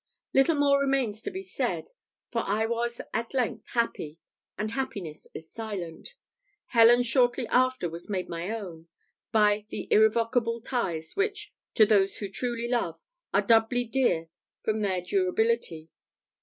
Little more remains to be said, for I was at length happy and happiness is silent. Helen shortly after was made my own, by the irrevocable ties which, to those who truly love, are doubly dear from their durability.